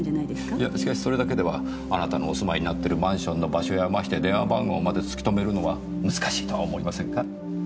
いやしかしそれだけではあなたのお住まいになってるマンションの場所やまして電話番号まで突き止めるのは難しいとは思いませんか？